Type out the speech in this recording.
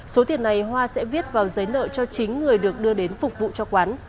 số tiền này hoa sẽ viết vào giấy nợ cho chính người được đưa đến phục vụ cho quán